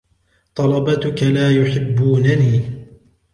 طلبتك لا يحبونني.